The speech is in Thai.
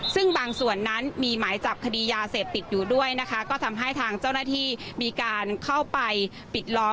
ซึ่งบางส่วนนั้นมีหมายจับคดียาเสพติดอยู่ด้วยนะคะก็ทำให้ทางเจ้าหน้าที่มีการเข้าไปปิดล้อม